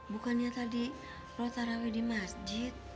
bukannya tadi lu tarawih di masjid